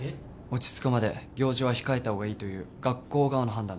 落ち着くまで行事は控えた方がいいという学校側の判断だ。